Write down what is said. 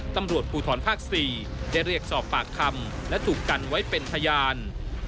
ตำรวจภูทรภาค๔ได้เรียกสอบปากคำและถูกกันไว้เป็นพยาน